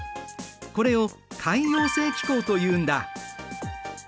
これを海洋性気候というんだ。